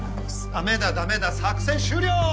ダメだダメだ作戦終了！